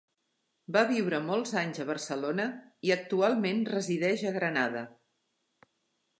Va viure molts anys a Barcelona i actualment resideix a Granada.